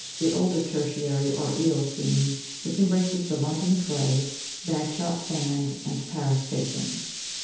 The older tertiary or eocene, which embraces the London clay, bag shot sand, and Paris Basin.